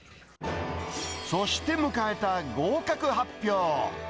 そして迎えた合格発表。